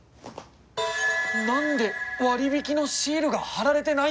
何で割引のシールが貼られてないんだ？